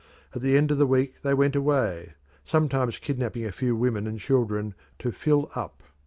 At the end of the week they went away, sometimes kidnapping a few women and children to "fill up."